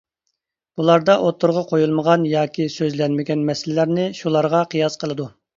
بۇلاردا ئوتتۇرىغا قويۇلمىغان ياكى سۆزلەنمىگەن مەسىلىلەرنى شۇلارغا قىياس قىلىدۇ.